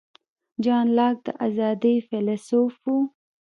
جان لاک د آزادۍ فیلیسوف و.